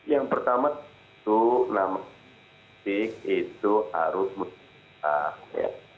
yang pertama itu namanya itu harus mencari ya